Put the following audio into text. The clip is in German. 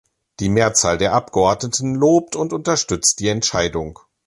Die Mehrzahl der Abgeordneten lobt und unterstützt die Entscheidung.